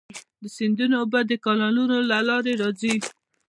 د سیندونو اوبه د کانالونو له لارې راځي.